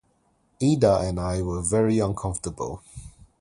Ada and I were very uncomfortable.